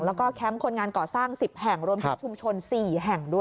แล้วก็แคมป์คนงานก่อสร้าง๑๐แห่งรวมถึงชุมชน๔แห่งด้วย